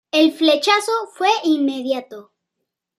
El "flechazo" fue inmediato.